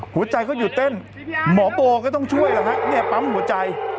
หัวใจเขาหยุดเต้นหมอโปรก็ต้องช่วยนะครับนี่ปั๊มหัวใจ